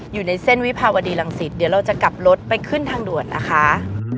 อยู่ในเส้นวิภาวดีรังสิตเดี๋ยวเราจะกลับรถไปขึ้นทางด่วนนะคะ